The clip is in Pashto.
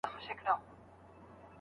را نصیب چي یې څپې کړې د اسمان کیسه کومه